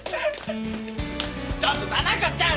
ちょっと田中ちゃん！